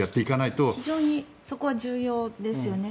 非常にそこは重要ですよね。